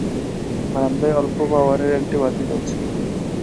বারান্দায় অল্প পাওয়ারের একটি বাতি জ্বলছে।